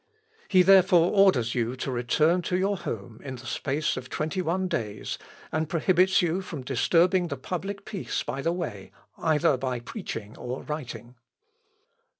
He therefore orders you to return to your home in the space of twenty one days, and prohibits you from disturbing the public peace by the way, either by preaching or writing."